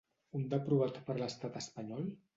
Un d’aprovat per l’estat espanyol?